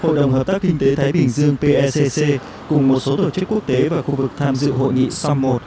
hội đồng hợp tác kinh tế thái bình dương pecc cùng một số tổ chức quốc tế và khu vực tham dự hội nghị som một